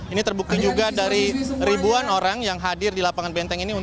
ini terbukti juga dari ribuan orang yang hadir di lapangan benteng ini